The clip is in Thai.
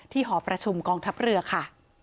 หอประชุมกองทัพเรือค่ะ